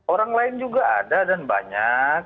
orang lain juga ada dan banyak